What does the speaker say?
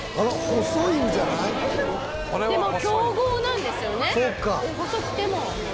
細くても。